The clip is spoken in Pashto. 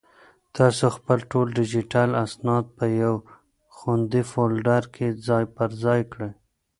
تاسو خپل ټول ډیجیټل اسناد په یو خوندي فولډر کې ځای پر ځای کړئ.